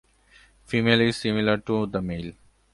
Female is similar to the male.